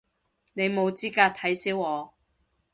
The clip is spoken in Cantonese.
你冇資格睇小我